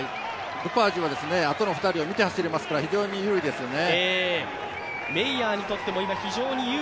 ルパージュはあとの２人を見て走りますから非常に有利ですよね。